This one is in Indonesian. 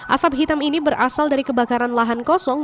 asap hitam ini berasal dari kebakaran lahan kosong